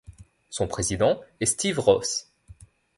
Son président est Steve Ross.